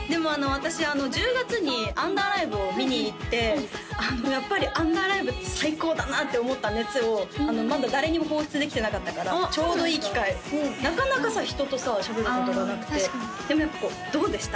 私１０月にアンダーライブを見に行ってやっぱりアンダーライブって最高だなって思った熱をまだ誰にも放出できてなかったからちょうどいい機会なかなかさ人とさしゃべることがなくてでもやっぱどうでした？